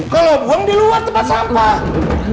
kalau buang di luar tempat sampah